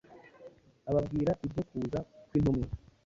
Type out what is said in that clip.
ababwira ibyo kuza kw’intumwa,